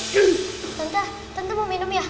tante tante mau minum ya